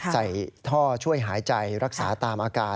ใส่ท่อช่วยหายใจรักษาตามอาการ